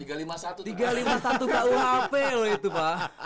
tiga ratus lima puluh satu gak uap loh itu pak